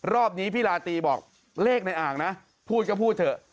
รอบนี้พี่ลาตีบอกเลขในอ่างนะพูดก็พูดเถอะ